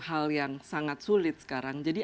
hal yang sangat sulit sekarang jadi